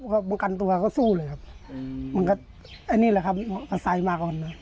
เพราะบังกันตัวเขาสู้เลยครับอืมมันก็อันนี้แหละครับก็สายมาก่อนนะ